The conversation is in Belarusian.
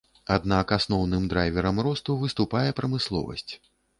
Аднак асноўным драйверам росту выступае прамысловасць.